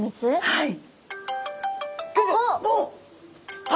はい。